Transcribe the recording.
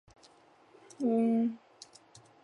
这些阶乘可以在编译期完成计算。